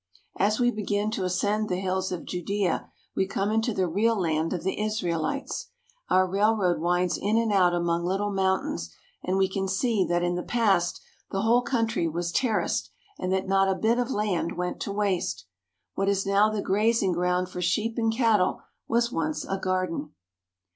As we begin to ascend the hills of Judea, we come into the real land of the Israelites. Our railroad winds in and out among little mountains and we can see that in the past the whole country was terraced and that not a bit of land went to waste. What is now the grazing ground for sheep and cattle was once a garden.